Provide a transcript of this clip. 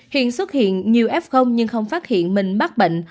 hiện xuất hiện nhiều f nhưng không phát hiện mình mắc bệnh